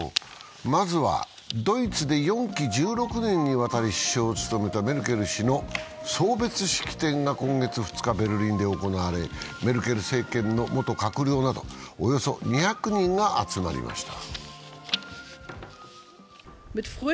まずはドイツで４期１６年にわたり首相を務めたメルケル氏の送別式典が今月２日、ベルリンで行われ、メルケル政権の元閣僚など、およそ２００人が集まりました。